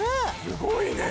すごいね